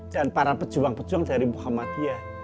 dan para pejuang pejuang dari muhammadiyah